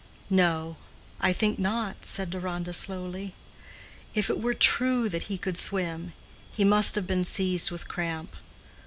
"No—I think not," said Deronda, slowly. "If it were true that he could swim, he must have been seized with cramp.